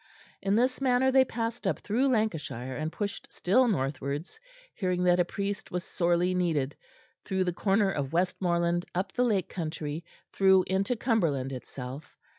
In this manner they passed up through Lancashire, and pushed still northwards, hearing that a priest was sorely needed, through the corner of Westmoreland, up the Lake country, through into Cumberland itself.